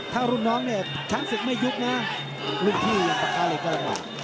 ถ้ารุ่นน้องทั้งสิบไม่ยุบนะรุ่นที่อย่างประกาศอีกก็หลังหวัง